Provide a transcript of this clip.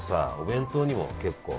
弁当にも結構。